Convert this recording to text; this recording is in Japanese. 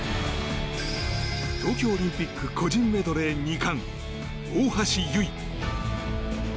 東京オリンピック個人メドレー２冠、大橋悠依。